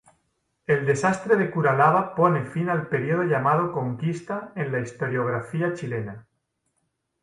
El desastre de Curalaba pone fin al período llamado "Conquista" en la historiografía chilena.